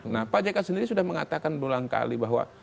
nah pak jk sendiri sudah mengatakan berulang kali bahwa